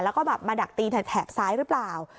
แล้วก็แบบมาดักตีแถบซ้ายหรือเปล่า